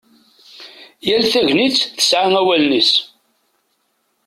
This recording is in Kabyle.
Yal tagnit tesɛa awalen-is.